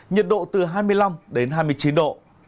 nhiệt độ từ hai mươi năm đến hai mươi chín độ